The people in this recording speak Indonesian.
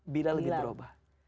bilal bin robah